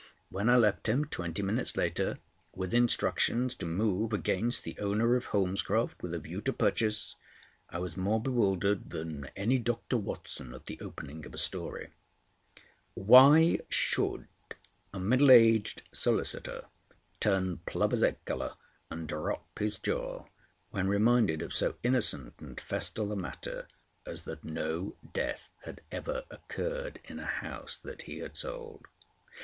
When I left him, twenty minutes later, with instructions to move against the owner of Holmescroft, with a view to purchase, I was more bewildered than any Doctor Watson at the opening of a story. Why should a middle aged solicitor turn plovers' egg colour and drop his jaw when reminded of so innocent and festal a matter as that no death had ever occurred in a house that he had sold?